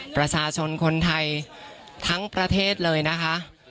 ประชาชนคนไทยทั้งประเทศเลยนะคะ